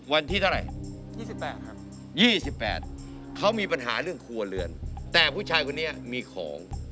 วันที่เท่าไหร่๒๘ครับ๒๘เขามีปัญหาเรื่องครัวเรือนแต่ผู้ชายคนนี้มีของ